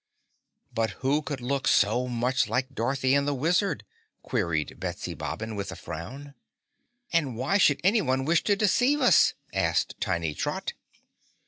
"But who could look so much like Dorothy and the Wizard?" queried Betsy Bobbin with a frown. "And why should anyone wish to deceive us?" asked tiny Trot.